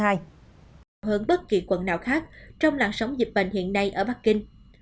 cao hơn bất kỳ quận nào khác trong làn sóng dịch bệnh hiện nay ở bắc kinh